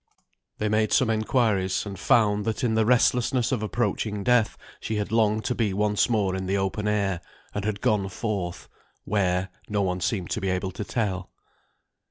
They made some inquiries, and found that in the restlessness of approaching death, she had longed to be once more in the open air, and had gone forth, where, no one seemed to be able to tell.